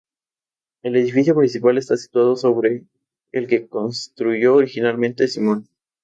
El edificio principal está situado sobre el que construyó originalmente Simón.